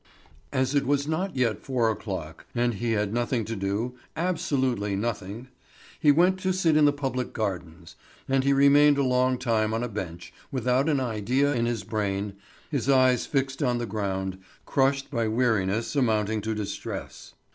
As it was not yet four o'clock, and he had nothing to do, absolutely nothing, he went to sit in the public gardens; and he remained a long time on a bench, without an idea in his brain, his eyes fixed on the ground, crushed by weariness amounting to distress.